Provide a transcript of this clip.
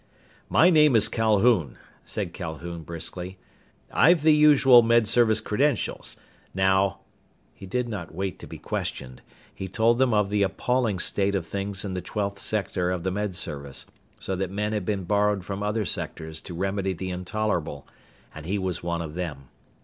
"My name is Calhoun," said Calhoun briskly. "I've the usual Med Service credentials. Now " He did not wait to be questioned. He told them of the appalling state of things in the Twelfth Sector of the Med Service, so that men had been borrowed from other sectors to remedy the intolerable, and he was one of them.